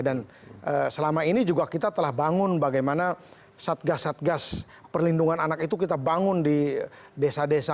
dan selama ini juga kita telah bangun bagaimana satgas satgas perlindungan anak itu kita bangun di desa desa